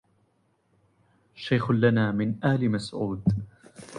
شيخ لنا من آل مسعود